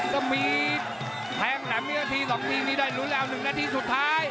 ถ้ามีแทงแหลมมีนาที๒ทีนี่ได้ลุ้นแล้ว๑นาทีสุดท้าย